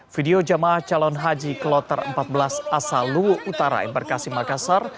video jamaah calon haji ke loter empat belas asal luwut utara imbarkasi makassar